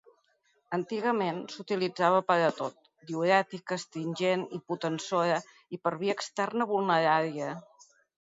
Antigament s'utilitzava per a tot: diürètica, astringent, hipotensora i per via externa vulnerària.